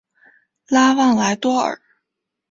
拉旺莱多尔。